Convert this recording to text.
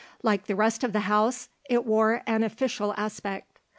Like the rest of the house it wore an official aspect.